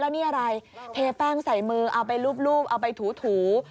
แล้วนี่อะไรเทแป้งใส่มือเอาไปลูบเอาไปถู